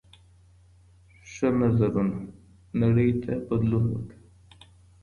ښه نظرونه نړۍ ته بدلون ورکوي.